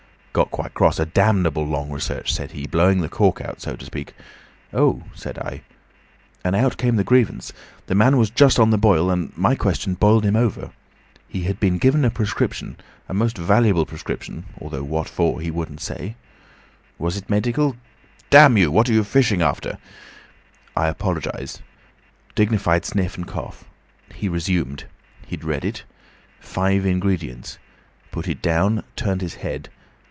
Got quite cross. 'A damnable long research,' said he, blowing the cork out, so to speak. 'Oh,' said I. And out came the grievance. The man was just on the boil, and my question boiled him over. He had been given a prescription, most valuable prescription—what for he wouldn't say. Was it medical? 'Damn you! What are you fishing after?' I apologised. Dignified sniff and cough. He resumed. He'd read it. Five ingredients. Put it down; turned his head.